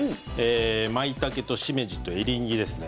まいたけとしめじとエリンギですね。